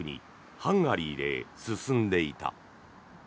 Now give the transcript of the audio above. ハンガリーで進んでいた。